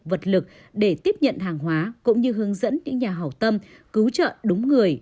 vật lực để tiếp nhận hàng hóa cũng như hướng dẫn những nhà hảo tâm cứu trợ đúng người